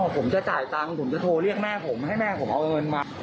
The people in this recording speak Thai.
ผมจะจ่ายตังค์ผมจะโทรเรียกแม่ผมให้แม่ผมเอาเงินมา